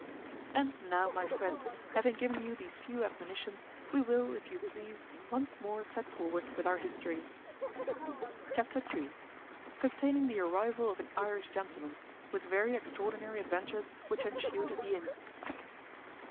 And now, my friend, having given you these few admonitions, we will, if you please, once more set forward with our history. Chapter ii. Containing the arrival of an Irish gentleman, with very extraordinary adventures which ensued at the inn.